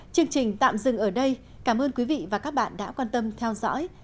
chương trình tạm dừng ở đây cảm ơn quý vị và các bạn đã quan tâm theo dõi